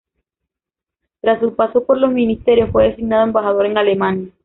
Tras su paso por los ministerios fue designado embajador en Alemania.